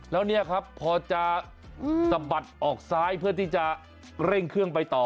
แล้วเนี่ยครับพอจะสะบัดออกซ้ายเพื่อที่จะเร่งเครื่องไปต่อ